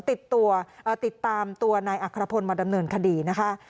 ติดตามตัวนายอัครพลมาดำเนินคดีนะคะ